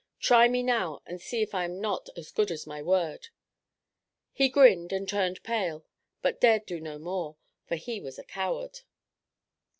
Try me now, and see if I am not as good as my word." He grinned, and turned pale, but dared do no more, for he was a coward.